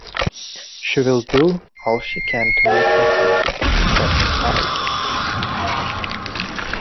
"She will do all she can to make me happy," said I.